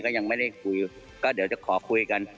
ก็ยังไม่ได้คุยก็เดี๋ยวจะขอคุยกัน